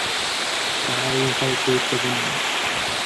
তারা উভয় গুরুত্বপূর্ণ।